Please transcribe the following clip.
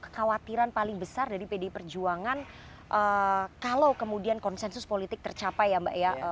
kekhawatiran paling besar dari pdi perjuangan kalau kemudian konsensus politik tercapai ya mbak ya